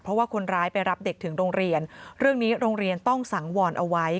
เพราะว่าคนร้ายไปรับเด็กถึงโรงเรียนเรื่องนี้โรงเรียนต้องสังวรเอาไว้